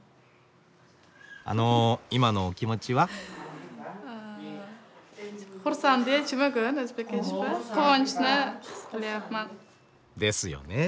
あの今のお気持ちは？ですよね。